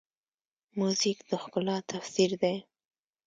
موزیک د ښکلا تفسیر دی.